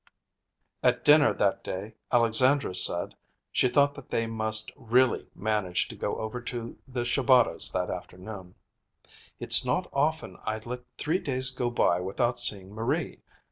VI At dinner that day Alexandra said she thought they must really manage to go over to the Shabatas' that afternoon. "It's not often I let three days go by without seeing Marie.